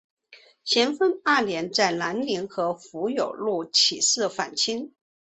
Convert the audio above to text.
咸丰二年在南宁和胡有禄起事反清。